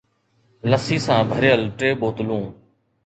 لسي سان ڀريل ٽي بوتلون